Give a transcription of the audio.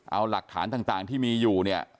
เอาหลักฐานต่างที่มีอยู่เนี่ย